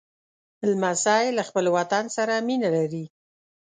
لمسی له خپل وطن سره مینه لري.